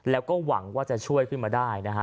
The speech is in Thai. แล้วก็หวังว่าจะช่วยขึ้นมาได้นะฮะ